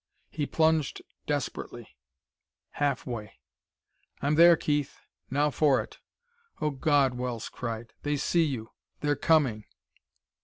He plunged desperately. Half way! "I'm there, Keith! Now for it!" "Oh, God!" Wells cried. "They see you; they're coming!"